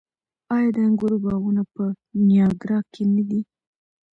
آیا د انګورو باغونه په نیاګرا کې نه دي؟